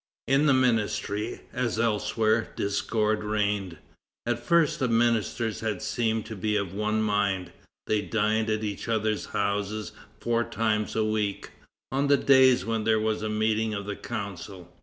In the ministry, as elsewhere, discord reigned. At first, the ministers had seemed to be of one mind. They dined at each other's houses four times a week, on the days when there was a meeting of the Council.